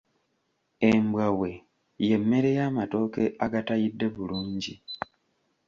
Embwabwe y’emmere y’amatooke agatayidde bulungi.